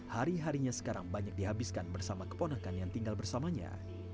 hari harinya sekarang banyak dihabiskan bersama keponakan yang tinggal bersamanya